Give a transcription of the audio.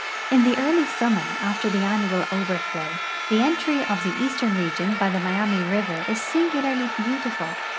In the early summer, after the annual overflow, the entry of the eastern region hy the Miami river is singularly beautiful.